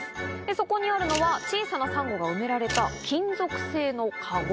そこにあるのは小さなサンゴが埋められた金属製のカゴ。